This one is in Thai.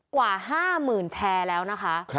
กว่า๕๐๐๐แชร์แล้วนะคะ